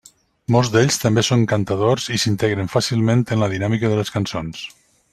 Molts d'ells també són cantadors i s'integren fàcilment en la dinàmica de les cançons.